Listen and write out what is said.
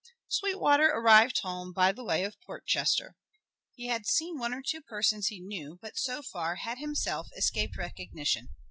...... Sweetwater arrived home by the way of Portchester. He had seen one or two persons he knew, but, so far, had himself escaped recognition.